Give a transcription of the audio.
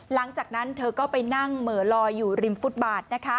หลังจากนั้นเธอก็ไปนั่งเหม่อลอยอยู่ริมฟุตบาท